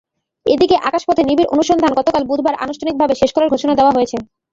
এদিকে আকাশপথে নিবিড় অনুসন্ধান গতকাল বুধবার আনুষ্ঠানিকভাবে শেষ করার ঘোষণা দেওয়া হয়েছে।